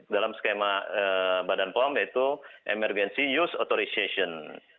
dalam skema badan pom yaitu emergency use authorization